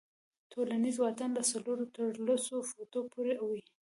ټولنیز واټن له څلورو تر لسو فوټو پورې وي.